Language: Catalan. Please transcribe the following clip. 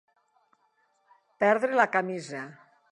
Perdre la camisa.